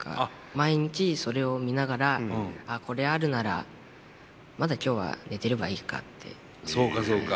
毎日それを見ながら「あこれあるならまだ今日は寝てればいいか」って。そうかそうか。